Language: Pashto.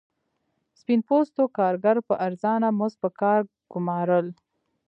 سپین پوستو کارګر په ارزانه مزد پر کار ګومارل.